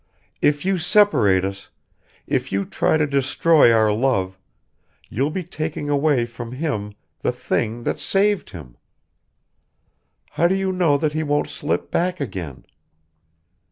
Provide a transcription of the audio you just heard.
"If you separate us, if you try to destroy our love, you'll be taking away from him the thing that's saved him. How do you know that he won't slip back again?